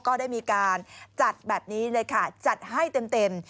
ก็ได้มีการจัดแบบนี้เลยค่ะจัดให้เต็ม